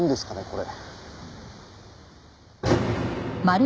これ。